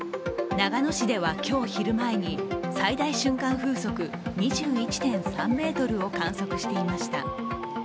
長野市では今日昼前に最大瞬間風速２１．３メートルを観測していました。